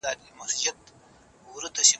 زه له بدو لارو ځان ساتم چي عزت مي وساتل سي.